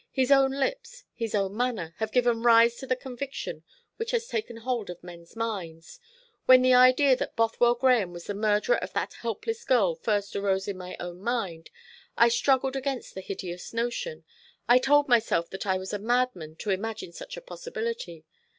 His own lips, his own manner, have given rise to the conviction which has taken hold of men's minds. When the idea that Bothwell Grahame was the murderer of that helpless girl first arose in my own mind, I struggled against the hideous notion. I told myself that I was a madman to imagine such a possibility.